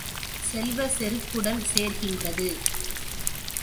செல்வச் செருக்கு உடன் சேர்கின்றது.